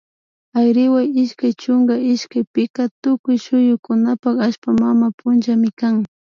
Ayriwa ishkay chunka ishkay pika tukuy suyukunapak allpa mama punllami kan